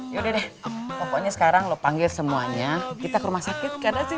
ya udah deh pokoknya sekarang lo panggil semuanya kita ke rumah sakit